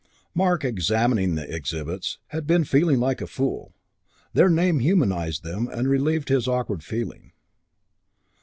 Mark, examining the exhibits, had been feeling like a fool. Their name humanized them and relieved his awkward feeling.